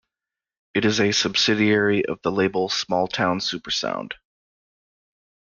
It is a subsidiary of the label Smalltown Supersound.